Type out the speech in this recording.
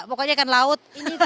pokoknya ikan laut